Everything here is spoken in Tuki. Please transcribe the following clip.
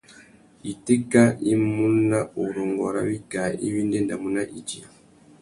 Itéka i mú nà urrôngô râ wikā iwí i ndédamú nà idiya.